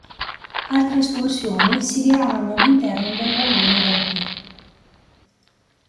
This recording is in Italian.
Altre escursioni si diramano all'interno del vallone d'Arpy.